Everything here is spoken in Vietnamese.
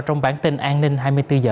trong bản tin an ninh hai mươi bốn h